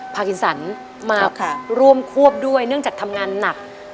พากินสันมาร่วมควบด้วยเนื่องจากทำงานหนัก